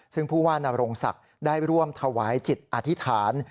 ซึ่งผู้ว่านรงศักดิ์ได้ร่วมถวายจิตอธิษฐาน